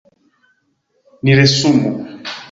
Ni resumu.